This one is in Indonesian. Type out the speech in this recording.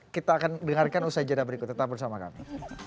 kita akan dengarkan usai jadwal berikut tetap bersama kami